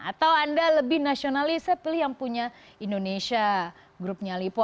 atau anda lebih nasionalis saya pilih yang punya indonesia grupnya lipo